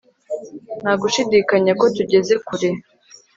nta gushidikanya ko tugeze kure